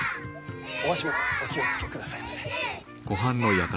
お足元お気を付けくださいませ。